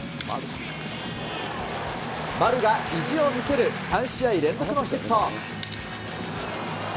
丸が意地を見せる３試合連続のヒット。